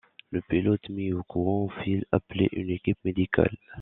Le pilote mis au courant fit appeler une équipe médicale.